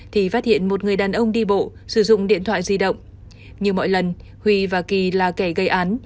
thì phát hiện một người đàn ông đi bộ sử dụng điện thoại di động như mọi lần huy và kỳ là kẻ gây án